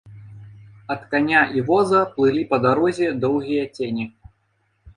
Ад каня і воза плылі па дарозе доўгія цені.